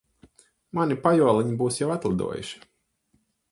Mani pajoliņi būs jau atlidojuši.